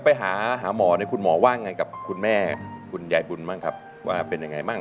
ไปหาหาหมอเนี่ยคุณหมอว่าไงกับคุณแม่คุณยายบุญบ้างครับว่าเป็นยังไงบ้าง